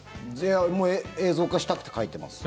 映像化したくて書いてます。